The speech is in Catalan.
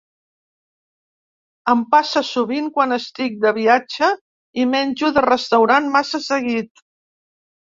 Em passa sovint quan estic de viatge i menjo de restaurant massa seguit.